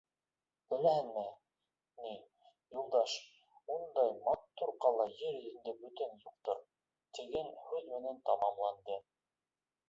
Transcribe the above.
— Беләһеңме, ни, Юлдаш, ундай матур ҡала ер йөҙөндә бүтән юҡтыр, -тигән һүҙ менән тамамланды.